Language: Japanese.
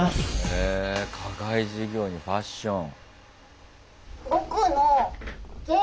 へ課外授業にファッション。